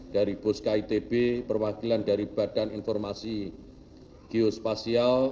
dari puskitb perwakilan dari badan informasi geospasial